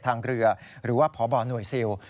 หรือว่าผอบอร์หน่วยซิล